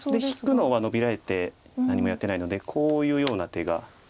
引くのはノビられて何もやってないのでこういうような手が。